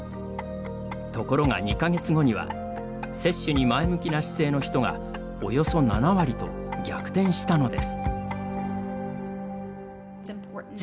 ところが２か月後には接種に前向きな姿勢の人がおよそ７割と逆転したのです。